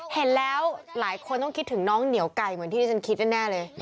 เห็นแล้วหลายคนต้องคิดถึงน้องเหนียวไก่เหมือนที่ที่ฉันคิดแน่เลย